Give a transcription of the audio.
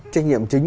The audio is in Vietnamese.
trách nhiệm chính